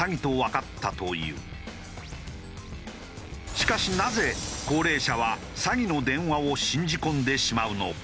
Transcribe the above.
しかしなぜ高齢者は詐欺の電話を信じ込んでしまうのか？